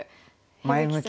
前向きな。